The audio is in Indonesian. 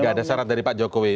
itu kebenaran dari pak jokowi